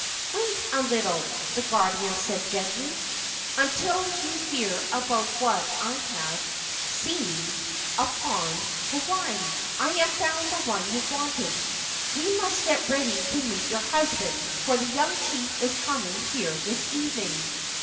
" "Wait a little," the guardian said gently, "until you hear about what I have seen upon COCONUTS KE AU NINI 223 Hawaii. I have found the one you wanted. We must get ready to meet your husband, for the young chief is coming here this evening.